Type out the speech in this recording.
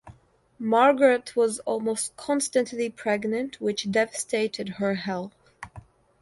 Margaret was almost constantly pregnant, which devastated her health.